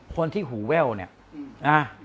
คนที่หูแว่วเนี่ยนะ